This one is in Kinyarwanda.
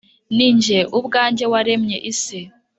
Ni jye ubwanjye waremye isi